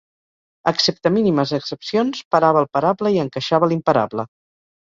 Excepte mínimes excepcions, parava el parable i encaixava l'imparable.